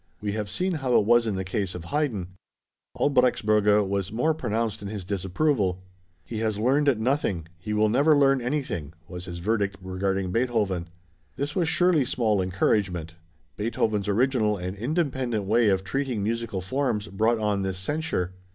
We have seen how it was in the case of Haydn. Albrechtsberger was more pronounced in his disapproval. "He has learned nothing; he never will learn anything," was his verdict regarding Beethoven. This was surely small encouragement. Beethoven's original and independent way of treating musical forms brought on this censure.